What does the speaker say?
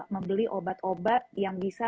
membeli obat obat yang bisa